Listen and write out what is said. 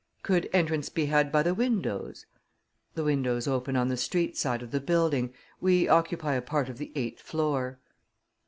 "Could entrance be had by the windows?" "The windows open on the street side of the building. We occupy a part of the eighth floor."